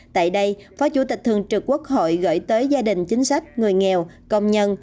tại đây phó chủ tịch thường trực quốc hội gửi tới gia đình chính sách người nghèo công nhân